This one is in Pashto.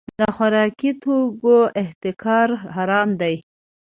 د خوراکي توکو احتکار حرام دی.